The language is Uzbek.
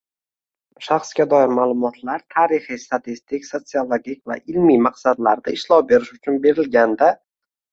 shaxsga doir ma’lumotlar tarixiy, statistik, sotsiologik yoki ilmiy maqsadlarda ishlov berish uchun berilganda;